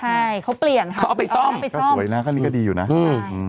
ใช่เขาเปลี่ยนเข้าไปซ่อมค่ะไปซ่อมครั้งนี้ก็ดีอยู่นะหือ